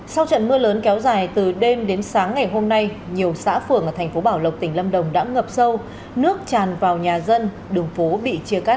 sau trận mưa lớn kéo dài từ đêm đến sáng ngày hôm nay nhiều xã phường ở thành phố bảo lộc tỉnh lâm đồng đã ngập sâu nước tràn vào nhà dân đường phố bị chia cắt